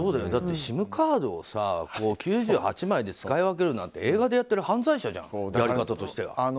だってＳＩＭカードを９８枚で使い分けるなんて映画でやってる犯罪者じゃんやり方としては。